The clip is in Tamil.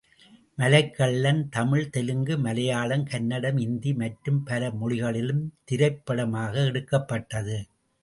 மலைக்கள்ளன், தமிழ், தெலுங்கு மலையாளம், கன்னடம், இந்தி, மற்றும் பல மொழிகளிலும் திரைப்படமாக எடுக்கப்பட்டது.